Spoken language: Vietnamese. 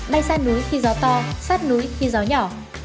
bay xa núi khi gió to sát núi khi gió nhỏ